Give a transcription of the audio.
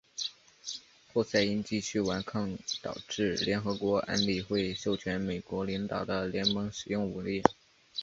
侯赛因继续顽抗导致联合国安理会授权美国领导的联盟使用武力。